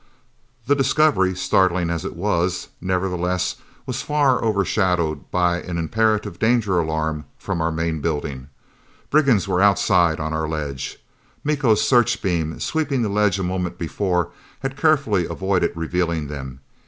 The discovery, startling as it was, nevertheless, was far overshadowed by an imperative danger alarm from our main building. Brigands were outside on our ledge! Miko's searchbeam, sweeping the ledge a moment before, had carefully avoided revealing them.